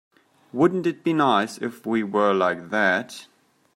Wouldn't it be nice if we were like that?